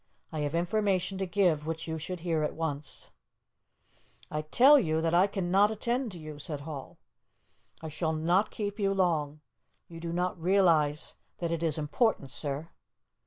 I have information to give which you should hear at once." "I tell you that I cannot attend to you," said Hall. "I shall not keep you long. You do not realize that it is important, sir."